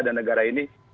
dan negara ini